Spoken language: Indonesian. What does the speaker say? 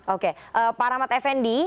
oke pak ahmad effendi